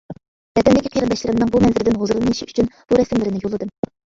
ۋەتەندىكى قېرىنداشلىرىمنىڭ بۇ مەنزىرىدىن ھۇزۇرلىنىشى ئۈچۈن بۇ رەسىملىرىنى يوللىدىم.